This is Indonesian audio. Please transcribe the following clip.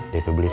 dp beli rumah